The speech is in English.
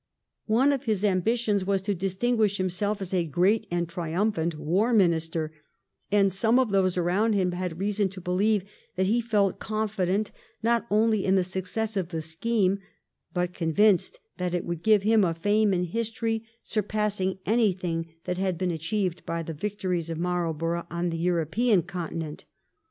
One of his ambitions was to distinguish himself as a great and triumphant war Minister, and some of those around him had reason to believe that he felt confident not only in the success of the scheme, but convinced that it would give him a fame in history surpassing anything that had been achieved by the victories of Marlborough on the European continent.